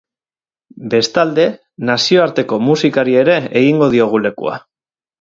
Bestalde, nazioarteko musikari ere egingo diogu lekua.